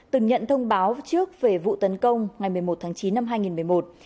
từng nhận thông báo trước về vụ tấn công ngày một mươi một tháng chín năm hai nghìn một mươi một